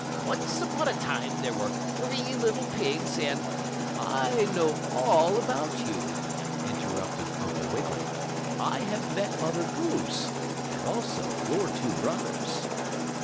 'Once upon a time there were three little pigs, and '" "I know all about you," interrupted Uncle Wiggily. "I have met Mother Goose, and also your two brothers."